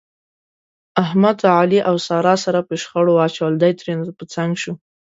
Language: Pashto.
احمد، علي او ساره سره په شخړه واچول، دی ترېنه په څنګ شو.